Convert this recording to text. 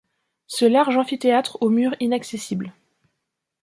Ce large amphithéâtre au mur inaccessible